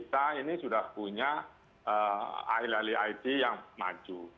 karena ini sudah punya it yang maju